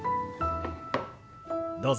どうぞ。